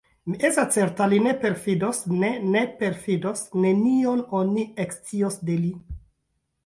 Mi estas certa, li ne perfidos, ne, ne perfidos: nenion oni ekscios de li.